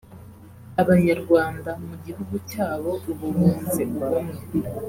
Abanyarwanda mu gihugu cyabo ubu bunze ubumwe